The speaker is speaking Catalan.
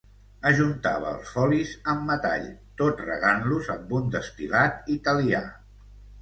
Ajuntava els folis amb metall tot regant-los amb un destil·lat italià.